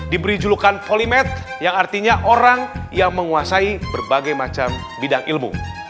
diberi julukan polimet yang artinya orang yang menguasai berbagai macam bidang ilmu